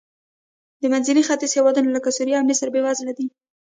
د منځني ختیځ هېوادونه لکه سوریه او مصر بېوزله دي.